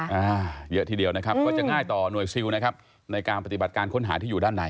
อ่าเยอะทีเดียวนะครับก็จะง่ายต่อหน่วยซิลนะครับในการปฏิบัติการค้นหาที่อยู่ด้านใน